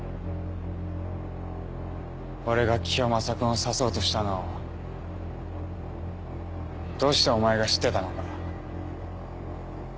俺がキヨマサ君を刺そうとしたのをどうしてお前が知ってたのか。